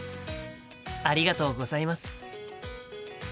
ありがとうございます。